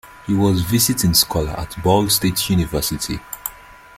He was visiting scholar at Ball State University.